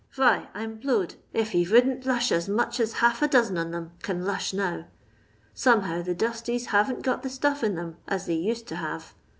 Vhy I 'm Wowed if he | rouldn't lush aa much aa half a doxen on 'em can lush now; lomehow tha dusties hasn't got the stuff in 'em as they used to have.